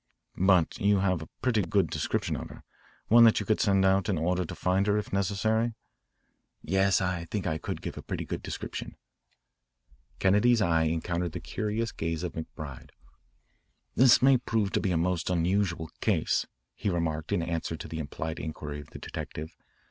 "But you have a pretty good description of her, one that you could send out in order to find her if necessary?" "Yes, I think I could give a pretty good description." Kennedy's eye encountered the curious gaze of McBride. "This may prove to be a most unusual case," he remarked in answer to the implied inquiry of the detective.